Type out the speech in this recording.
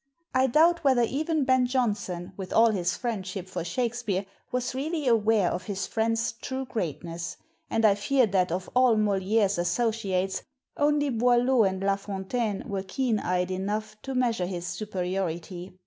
I doubt whether even Ben Jonson with all his friendship for Shakspere was really aware of his friend's true greatness; and I fear that of all Moliere's associates only Boileau and La Fontaine were keen eyed enough to measure his superiority.